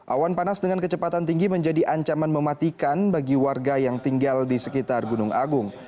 awan panas dengan kecepatan tinggi menjadi ancaman mematikan bagi warga yang tinggal di sekitar gunung agung